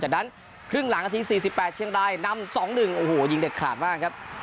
จากนั้นครึ่งหลังนาที๔๘เชียงรายนำ๒๑โอ้โหยิงเด็ดขาดมากครับ